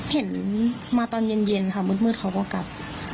เห็นมาตอนเย็นค่ะมืดเขาก็กลับ